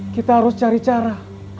kita harus cari cara